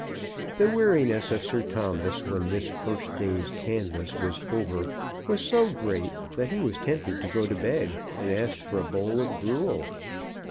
The weariness of Sir Thomas when this first day's canvass was over was so great that he was tempted to go to bed and ask for a bowl of gruel.